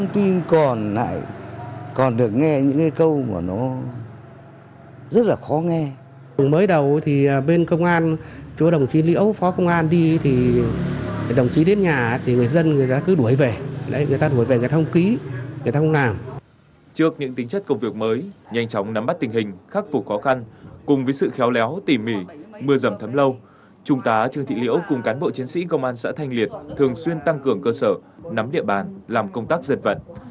công tá trương thị liễu cùng cán bộ chiến sĩ công an xã thanh liệt thường xuyên tăng cường cơ sở nắm địa bàn làm công tác giật vận